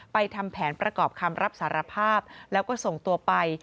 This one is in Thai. ทำแผนประกอบคำรับสารภาพแล้วก็ส่งตัวไป